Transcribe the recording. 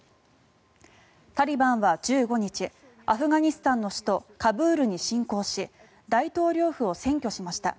タリバンは１５日アフガニスタンの首都カブールに進攻し大統領府を占拠しました。